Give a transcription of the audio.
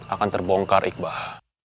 akan terbongkar iqbal